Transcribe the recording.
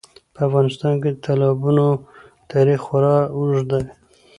په افغانستان کې د تالابونو تاریخ خورا اوږد دی.